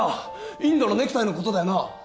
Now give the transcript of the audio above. インドのネクタイのことだよなぁ？